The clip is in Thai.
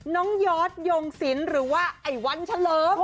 ยอดยงศิลป์หรือว่าไอ้วันเฉลิม